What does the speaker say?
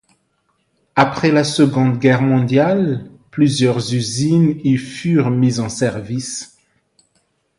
Après la Seconde Guerre mondiale, plusieurs usines y furent mises en service.